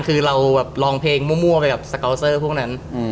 คือเราลองเพลงมั่วไปกับสกัลเซอร์พวกนั้น